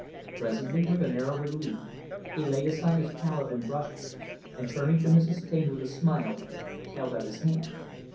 Presently, with an air of relief, he laid aside his palette and brushes; and turning to Mrs. Taine, with a smile, held out his hand.